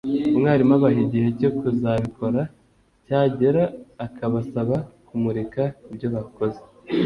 Umwarimu abaha igihe cyo kuzabikora cyagera akabasaba kumurika ibyobakoze